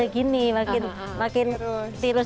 gini makin terus